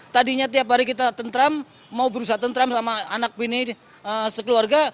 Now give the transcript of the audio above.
tadinya tiap hari kita tentram mau berusaha tentram sama anak bini sekeluarga